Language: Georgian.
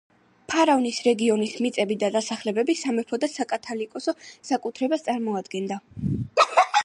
ფარავნის რეგიონის მიწები და დასახლებები სამეფო და საკათალიკოსო საკუთრებას წარმოადგენდა.